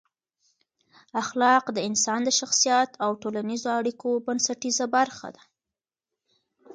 اخلاق د انسان د شخصیت او ټولنیزو اړیکو بنسټیزه برخه ده.